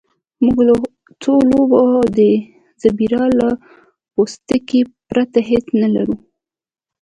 موږ له څو لوبو او د زیبرا له پوستکي پرته هیڅ نه لرل